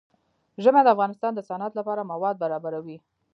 ژمی د افغانستان د صنعت لپاره مواد برابروي.